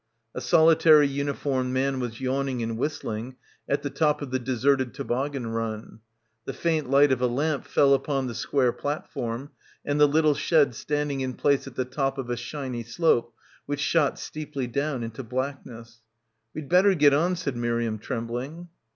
A solitary uniformed man was yawning and whistling at the top of the deserted toboggan run. The faint light of a lamp fell upon the square platform and the little sled standing in place at the top of a shiny slope which shot steeply down into blackness. "We'd better get on," said Miriam trembling.